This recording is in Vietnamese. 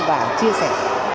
và chia sẻ